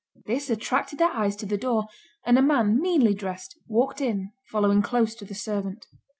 This attracted their eyes to the door, and a man meanly dressed, walked in, following close to the servant.